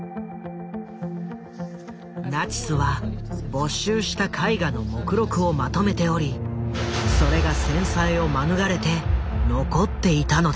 ナチスは没収した絵画の目録をまとめておりそれが戦災を免れて残っていたのだ。